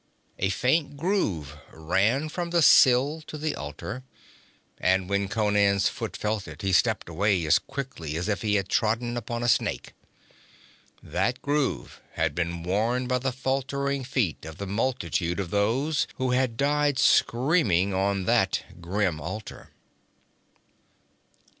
A faint groove ran from the sill to the altar, and when Conan's foot felt it, he stepped away as quickly as if he had trodden upon a snake. That groove had been worn by the faltering feet of the multitude of those who had died screaming on that grim altar.